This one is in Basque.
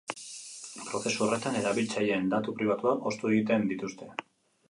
Prozesu horretan, erabiltzaileen datu pribatuak ostu egiten dituzte.